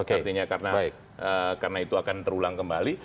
artinya karena itu akan terulang kembali